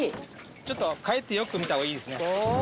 ちょっと帰ってよく見た方がいいですね。